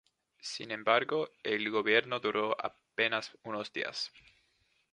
Sin embargo, el gobierno duró apenas unos días.